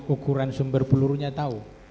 ukuran sumber pelurunya tahu